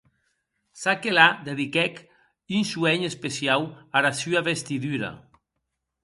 Ça que la, dediquèc un suenh especiau ara sua vestidura.